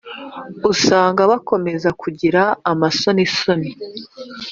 usanga bakomeza kugira amasonisoni,